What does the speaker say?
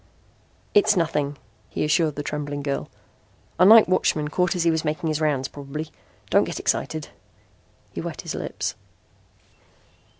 "It's nothing," he assured the trembling girl. "A night watchman caught as he was making his rounds, probably. Don't get excited." He wet his lips.